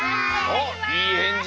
おっいいへんじ！